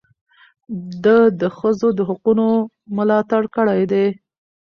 ده د ښځو د حقونو ملاتړ کړی دی.